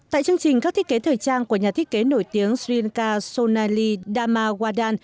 tại chương trình các thiết kế thời trang của nhà thiết kế nổi tiếng sri lanka sonali damawadan